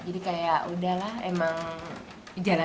jadi kayak udahlah emang dijalankan aja